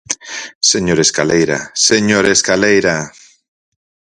Señor Escaleira, ¡señor Escaleira!